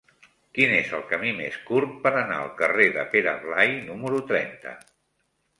Quin és el camí més curt per anar al carrer de Pere Blai número trenta?